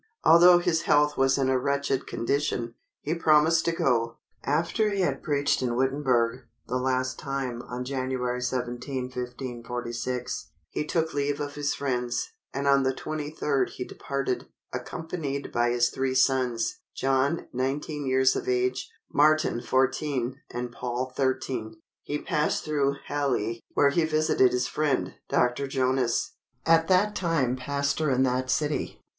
Although his health was in a wretched condition, he promised to go. After he had preached in Wittenberg, the last time, on January 17, 1546, he took leave of his friends, and on the 23d, he departed, accompanied by his three sons; John, 19 years of age, Martin 14, and Paul 13. He passed through Halle, where he visited his friend, Dr. Jonas, at that time pastor in that city.